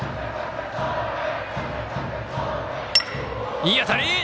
いい当たり！